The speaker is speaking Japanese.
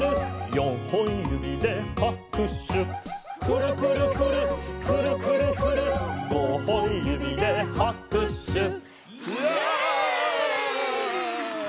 「よんほんゆびではくしゅ」「くるくるくるっくるくるくるっ」「ごほんゆびではくしゅ」イエイ！